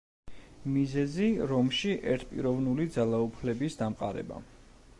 მიზეზი რომში ერთპიროვნული ძალაუფლების დამყარება.